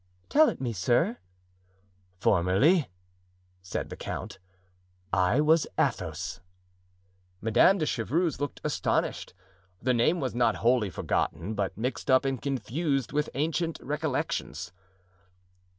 "Tell it me, sir." "Formerly," said the count, "I was Athos." Madame de Chevreuse looked astonished. The name was not wholly forgotten, but mixed up and confused with ancient recollections.